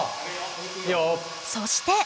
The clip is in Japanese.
そして。